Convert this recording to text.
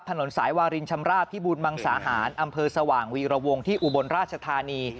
ถนนสายวารินชำราบพิบูรมังสาหารอำเภอสว่างวีรวงที่อุบลราชธานี